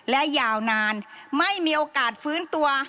และยาวนานไม่มีโอกาสฟื้นตัว